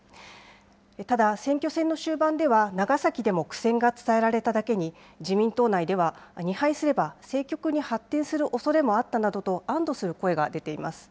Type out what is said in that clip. ただ、選挙戦の終盤では、長崎でも苦戦が伝えられただけに、自民党内では２敗すれば、政局に発展するおそれもあったなどと安どする声が出ています。